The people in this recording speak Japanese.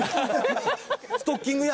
「ストッキング屋！」